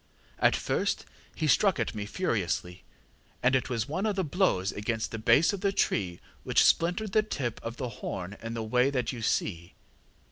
At first he struck at me furiously, and it was one of the blows against the base of the tree which splintered the tip of the horn in the way that you see.